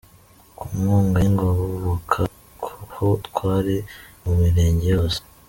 Ku nkunga y’ingoboka ho twari mu mirenge yose,”